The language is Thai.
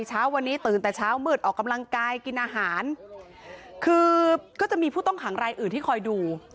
เช้าวันนี้ตื่นแต่เช้ามืดออกกำลังกายกินอาหารคือก็จะมีผู้ต้องขังรายอื่นที่คอยดู